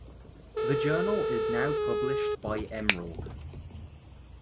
The journal is now published by Emerald.